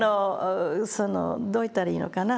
どう言ったらいいのかな